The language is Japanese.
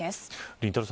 りんたろー。